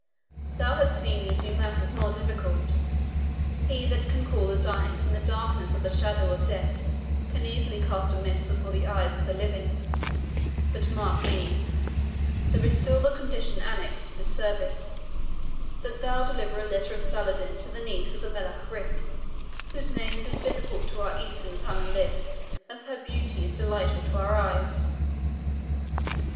Thou hast seen me do matters more difficult he that can call the dying from the darkness of the shadow of death can easily cast a mist before the eyes of the living. But mark me: there is still the condition annexed to this service that thou deliver a letter of Saladin to the niece of the Melech Ric, whose name is as difficult to our Eastern tongue and lips, as her beauty is delightful to our eyes."